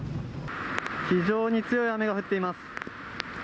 非常に強い雨が降っています。